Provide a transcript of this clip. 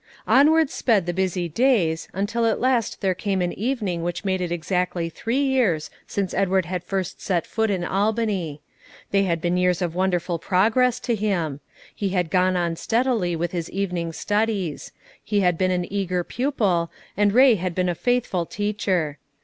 Onward sped the busy days, until at last there came an evening which made it exactly three years since Edward had first set foot in Albany. They had been years of wonderful progress to him. He had gone on steadily with his evening studies; he had been an eager pupil, and Ray had been a faithful teacher.